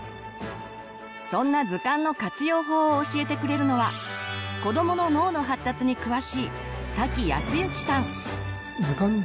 そんな図鑑の活用法を教えてくれるのは子どもの脳の発達に詳しい瀧靖之さん。